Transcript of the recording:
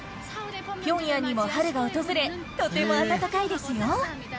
ピョンヤンにも春が訪れ、とても暖かいですよ。